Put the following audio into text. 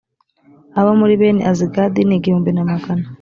abo muri bene azigadi ni igihumbi na magana